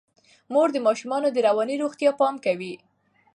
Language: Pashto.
مور د ماشومانو د رواني روغتیا پام کوي.